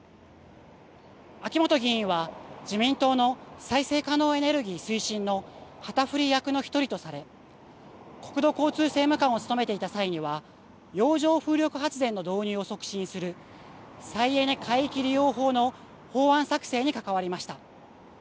秋本議員は自民党の再生可能エネルギー推進の旗振り役の１人とされ国土交通政務官を務めていた際には洋上風力発電の導入を促進する再エネ海域利用法の法案作成に関わりました。